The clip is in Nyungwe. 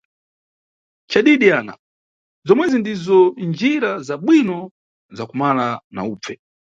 Cadidi Ana, zomwezi ndizo njira za bwino za kumala na ubve.